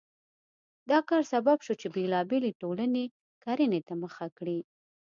دا کار سبب شو چې بېلابېلې ټولنې کرنې ته مخه کړي.